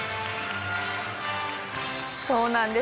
そうなんです。